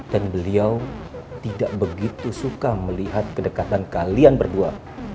dan beliau tidak begitu suka melihat kedekatan kalian berdua